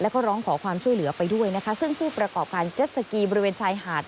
แล้วก็ร้องขอความช่วยเหลือไปด้วยนะคะซึ่งผู้ประกอบการเจ็ดสกีบริเวณชายหาด